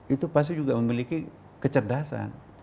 itu pasti juga memiliki kecerdasan